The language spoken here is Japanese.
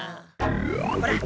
ほら。